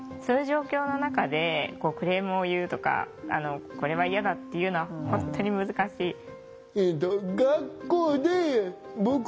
そういう状況の中でクレームを言うとかこれは嫌だっていうのは本当に難しい。